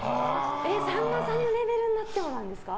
さんまさんのレベルになってもですか？